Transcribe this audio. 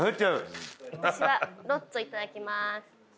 私はロッツォいただきます。